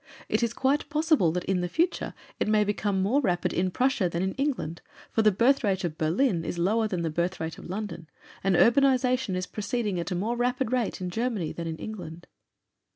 It is quite possible that in the future it may become more rapid in Prussia than in England, for the birth rate of Berlin is lower than the birth rate of London, and urbanization is proceeding at a more rapid rate in Germany than in England."